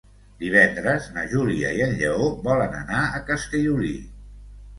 Divendres na Júlia i en Lleó volen anar a Castellolí.